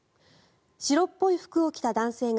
白っぽい服を着た男性が